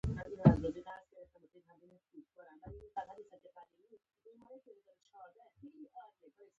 هر مجتهد زمانې پوهې مطابق څېړلې.